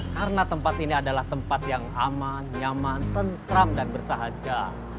karena tempat ini adalah tempat yang aman nyaman tentram dan bersahaja